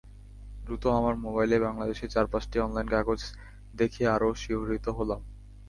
দ্রুত আমার মোবাইলে বাংলাদেশের চার-পাঁচটি অনলাইন কাগজ দেখে আরও শিহরিত হলাম।